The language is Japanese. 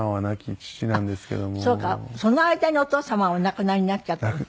その間にお父様はお亡くなりになっちゃったの。